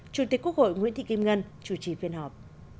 chủ tịch quốc hội nguyễn thị kim ngân chủ trì phiên họp